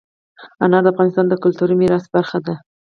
انار د افغانستان د کلتوري میراث برخه ده.